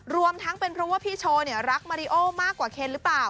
รวมทั้งเป็นเพราะว่าพี่โชว์รักมาริโอมากกว่าเคนหรือเปล่า